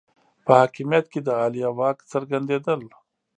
په حاکمیت کې د عالیه واک څرګندېدل